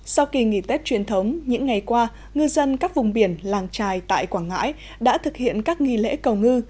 sau kỳ nghỉ tết truyền thống những ngày qua ngư dân các vùng biển làng trài tại quảng ngãi đã thực hiện các nghi lễ cầu ngư